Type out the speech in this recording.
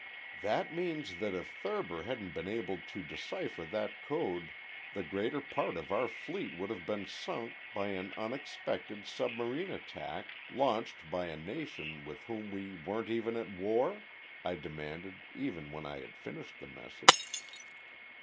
"That means that if Thurber hadn't been able to decipher that code the greater part of our fleet would have been sunk by an unexpected submarine attack, launched by a nation with whom we weren't even at war?" I demanded, when I had finished the message.